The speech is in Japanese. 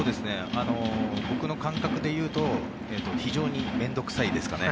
僕の感覚でいうと非常に面倒臭いですかね。